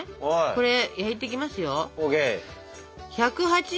これ焼いていきますよ。